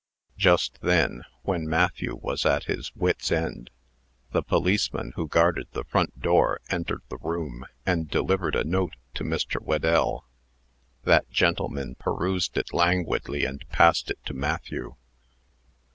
Just then, when Matthew was at his wits' end, the police man who guarded the front door entered the room, and delivered a note to Mr. Whedell. That gentleman perused it languidly, and passed it to Matthew.